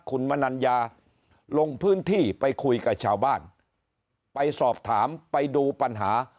คุณมนัญญาลงพื้นที่ไปคุยกับชาวบ้านไปสอบถามไปดูปัญหา